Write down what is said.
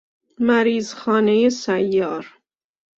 مریض خانه سیار